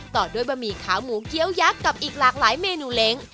ต่อด้วยบะหมี่ขาวหมูเกี้ยวยักษ์กับอีกหลากหลายเมนูเล้ง